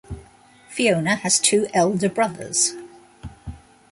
Fiona has two elder brothers.